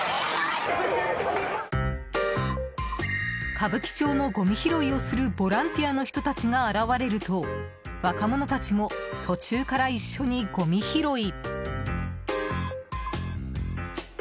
歌舞伎町のごみ拾いをするボランティアの人たちが現れると若者たちも途中から一緒にごみ拾い。